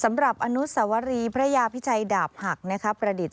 สำหรับอนุสวรีพระยาพิชัยดาบหักประดิษฐ